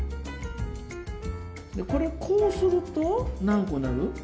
これこうすると何個になる？